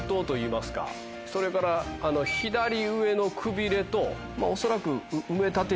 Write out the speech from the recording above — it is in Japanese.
それから左上のくびれと恐らく。